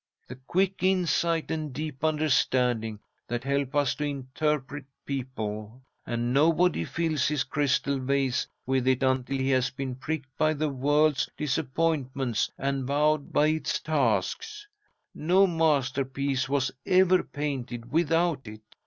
The quick insight and deep understanding that help us to interpret people. And nobody fills his crystal vase with it until he has been pricked by the world's disappointments and bowed by its tasks. No masterpiece was ever painted without it.